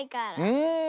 うん！